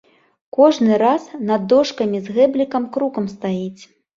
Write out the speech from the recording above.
Кожны раз над дошкамі з гэблікам крукам стаіць.